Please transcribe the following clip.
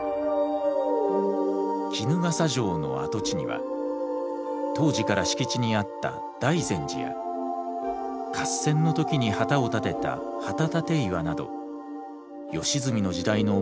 衣笠城の跡地には当時から敷地にあった大善寺や合戦の時に旗を立てた旗立岩など義澄の時代の面影が残されています。